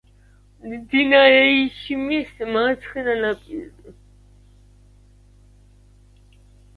მდინარე იშიმის მარცხენა ნაპირზე.